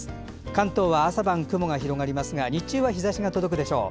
関東は朝晩、雲が広がりますが日中は日ざしが届くでしょう。